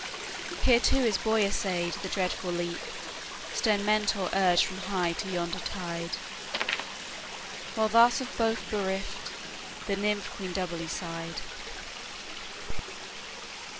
Here too his boy essayed the dreadful leap, Stern Mentor urged from high to yonder tide; While thus of both bereft the nymph queen doubly sighed."